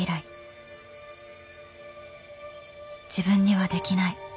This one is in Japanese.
自分にはできない。